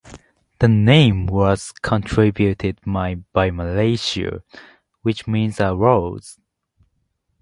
The name was contributed by Malaysia, which means a rose.